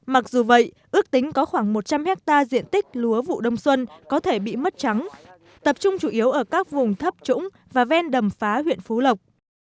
mặc dù vậy ước tính có khoảng một trăm linh hectare diện tích lúa vụ đông xuân có thể bị mất trắng tập trung chủ yếu ở các vùng thấp trũng và ven đầm phá huyện phú lộc